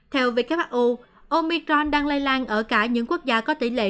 theo who omicron đang lây lan ở cả những quốc gia có tỷ lệ